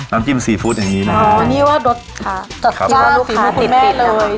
น้ำจิ้มซีฟู้ดอย่างนี้นะครับอ๋อนี่ว่าค่ะจัดที่ว่าลูกค้าติดติดเลย